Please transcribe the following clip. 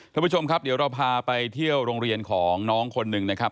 ท่านผู้ชมครับเดี๋ยวเราพาไปเที่ยวโรงเรียนของน้องคนหนึ่งนะครับ